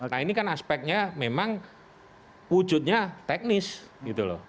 nah ini kan aspeknya memang wujudnya teknis gitu loh